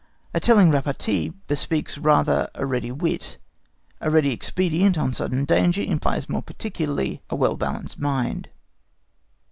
A telling repartee bespeaks rather a ready wit, a ready expedient on sudden danger implies more particularly a well balanced mind.